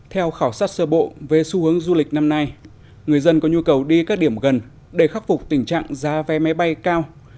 theo khảo sát sơ bộ về xu hướng du lịch năm nay người dân có nhu cầu đi các điểm gần để khắc phục tình trạng giá vé máy bay cao